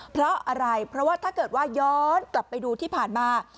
เพราะอะไรเพราะว่าถ้าเกิดว่าย้อนกลับไปดูที่ผ่านมา